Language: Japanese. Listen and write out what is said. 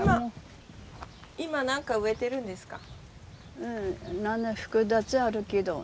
今何か植えてるんですか？